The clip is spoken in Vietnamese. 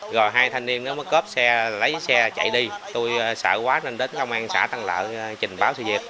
rồi hai thanh niên đó mới cướp xe lấy xe chạy đi tôi sợ quá nên đến công an xã tăng lợi trình báo sự việc